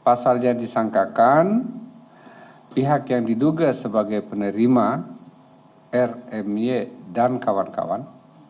pasalnya disangkakan pihak yang diduga sebagai penerima rmy dan kawan kawan